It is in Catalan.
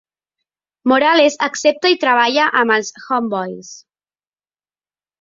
Morales accepta i treballa amb els Homeboys.